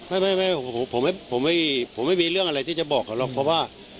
ไม่ไม่ผมไม่มีเรื่องอะไรที่จะบอกเขาหรอกเพราะว่า